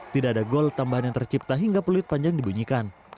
tidak ada gol tambahan yang tercipta hingga peluit panjang dibunyikan